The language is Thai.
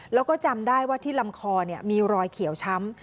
แล้วก็จำได้ว่าที่ลำคอมีรอยเขียวช้ำ